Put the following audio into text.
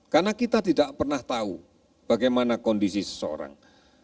karena kita tidak pernah tahu bagaimana kondisi seseorang